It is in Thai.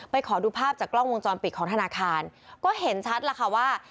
ขอดูภาพจากกล้องวงจรปิดของธนาคารก็เห็นชัดแล้วค่ะว่า